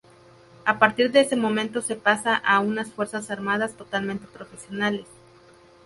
A partir de ese momento se pasa a unas fuerzas armadas totalmente profesionales.